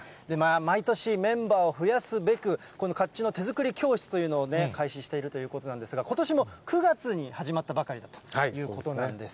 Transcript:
毎年、メンバーを増やすべく、この甲冑の手作り教室というのを開始しているということなんですが、ことしも９月に始まったばかりだということなんです。